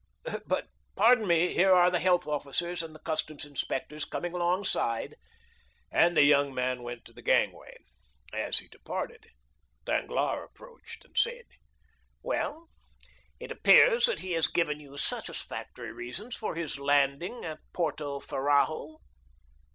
But, pardon me, here are the health officers and the customs inspectors coming alongside." And the young man went to the gangway. As he departed, Danglars approached, and said,— "Well, it appears that he has given you satisfactory reasons for his landing at Porto Ferrajo?"